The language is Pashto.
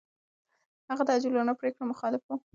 هغه د عجولانه پرېکړو مخالف و.